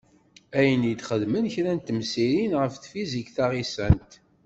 Ayen i d-ixeddmen kra n temsirin ɣef Tfizikt taɣisant.